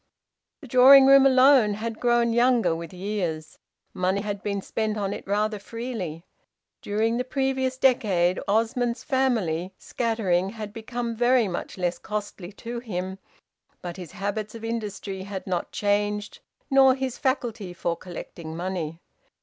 The drawing room alone had grown younger with years. Money had been spent on it rather freely. During the previous decade Osmond's family, scattering, had become very much less costly to him, but his habits of industry had not changed, nor his faculty for collecting money.